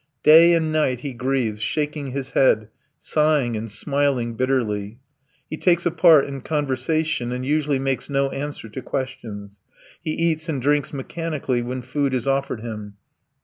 Day and night he grieves, shaking his head, sighing and smiling bitterly. He takes a part in conversation and usually makes no answer to questions; he eats and drinks mechanically when food is offered him.